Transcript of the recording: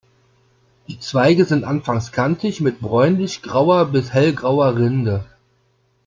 Die Zweige sind anfangs kantig mit bräunlich-grauer bis hellgrauer Rinde.